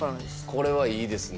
これはいいですね。